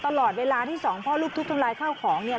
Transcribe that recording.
ตลอดเวลาที่สองพ่อลูกทุบทำลายข้าวของเนี่ย